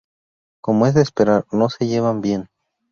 Como es de esperar, no se llevan bien.